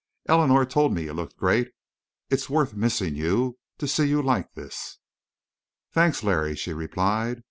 "Eleanor told me you looked great. It's worth missing you to see you like this." "Thanks, Larry," she replied.